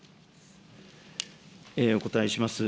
お答えします。